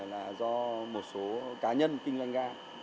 là do một số cá nhân kinh doanh ga